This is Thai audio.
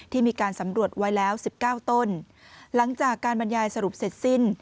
มีการสำรวจไว้แล้วสิบเก้าต้นหลังจากการบรรยายสรุปเสร็จสิ้น